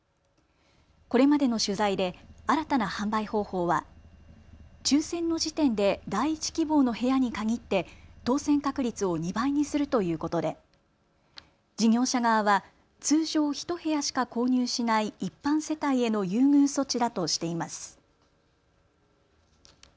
これまでの取材で新たな販売方法は抽せんの時点で第１希望の部屋に限って当せん確率を２倍にするということで事業者側は通常１部屋しか購入しない一般世帯への優遇措置だとしています。